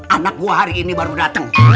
anak gue hari ini baru datang